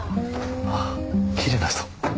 ああきれいな人。